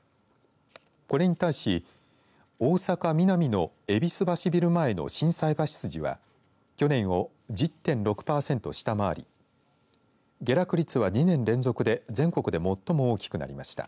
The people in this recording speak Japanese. これに対し大阪、ミナミの戎橋ビル前の心斎橋筋は去年を１０．６パーセント下回り下落率は２年連続で全国で最も大きくなりました。